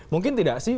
mungkin tidak sih